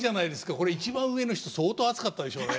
これ一番上の人相当熱かったでしょうね。